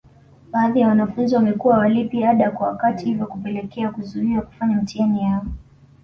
Baadhi ya wanafunzi wamekuwa hawalipi ada kwa wakati hivyo kupelekea kuzuiwa kufanya mitihani yao